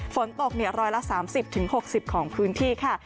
ฝนตกเนี่ยรอยละ๓๐ถึง๖๐ของพื้นที่ค่ะ